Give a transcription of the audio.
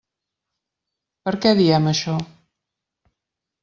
Per què diem això?